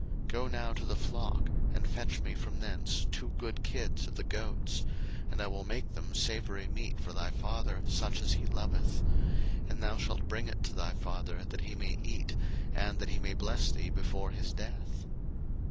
01:027:009 Go now to the flock, and fetch me from thence two good kids of the goats; and I will make them savoury meat for thy father, such as he loveth: 01:027:010 And thou shalt bring it to thy father, that he may eat, and that he may bless thee before his death.